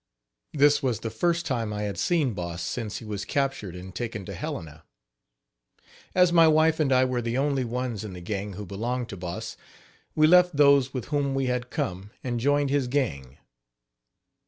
This was the first time I had seen Boss since he was captured and taken to Helena. As my wife and I were the only ones in the gang who belonged to Boss, we left those with whom we had come and joined his gang.